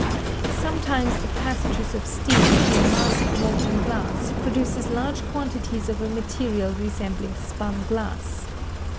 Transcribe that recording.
Sometimes the passages of steam through a mass of molten glass produces large quantities of a material resembling spun glass.